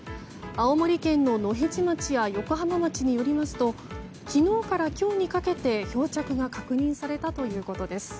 青森県の野辺地町や横浜町によりますと昨日から今日にかけて漂着が確認されたということです。